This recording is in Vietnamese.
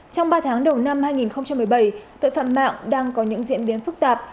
trong ba tháng đầu năm hai nghìn một mươi bảy tội phạm mạng đang có những diễn biến phức tạp